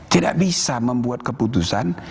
tidak bisa membuat keputusan